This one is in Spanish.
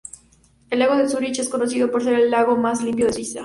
El lago de Zúrich es conocido por ser el lago más limpio de Suiza.